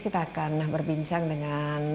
kita akan berbincang dengan